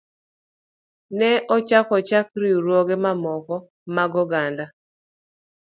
Ne ochak ochak riwruoge mamoko mag oganda.